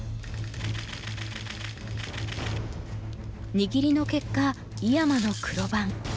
握りの結果井山の黒番。